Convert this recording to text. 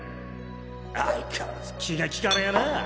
相変わらず気が利かねえな！